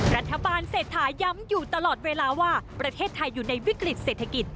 รัฐบาลเศรษฐาย้ำอยู่ตลอดเวลาว่าประเทศไทยอยู่ในวิกฤตเศรษฐกิจ